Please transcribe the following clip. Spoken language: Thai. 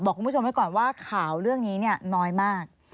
คุณผู้ชมไว้ก่อนว่าข่าวเรื่องนี้เนี่ยน้อยมาก